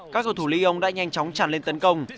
các cầu thủ lyon đã nhanh chóng chẳng lên tấn công